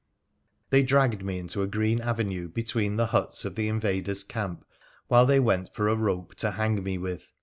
They dragged me into a green avenue between the huts of the invader's camp while they went for a rope to hang me with.